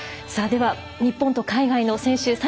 では、日本と海外の選手